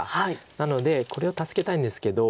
なのでこれを助けたいんですけど。